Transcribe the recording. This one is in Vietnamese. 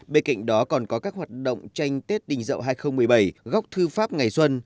bên cạnh đó còn có các hoạt động tranh tết đình dậu hai nghìn một mươi bảy góc thư pháp ngày xuân